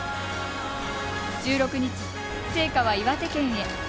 １６日、聖火は岩手県へ。